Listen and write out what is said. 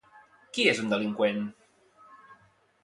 Qui és un delinqüent?